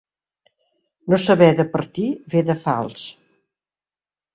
No saber departir ver de fals.